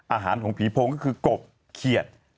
อาหารของผีโพงก็คือกบเขียด